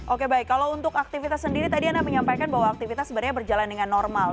oke baik kalau untuk aktivitas sendiri tadi anda menyampaikan bahwa aktivitas sebenarnya berjalan dengan normal